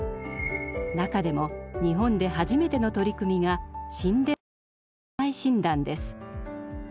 中でも日本で初めての取り組みが心電図のＡＩ診断です。